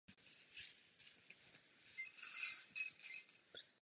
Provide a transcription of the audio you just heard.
Omezení se ve filmu a v televizi nevyhnula ani v době normalizace.